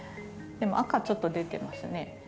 赤ちょっと出てますね。